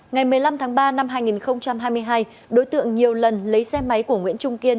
ngày một mươi năm tháng ba năm hai nghìn hai mươi hai đối tượng nhiều lần lấy xe máy của nguyễn trung kiên